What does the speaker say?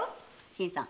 新さん